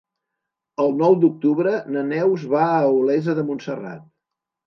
El nou d'octubre na Neus va a Olesa de Montserrat.